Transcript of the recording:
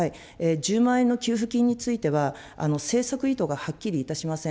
１０万円の給付金については、政策意図がはっきりいたしません。